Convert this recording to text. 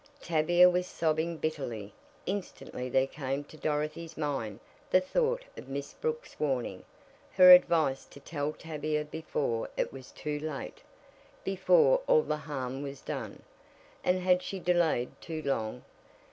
Tavia was sobbing bitterly. Instantly there came to Dorothy's mind the thought of Miss Brooks' warning, her advice to tell Tavia before it was too late, before all the harm was done. And had she delayed too long?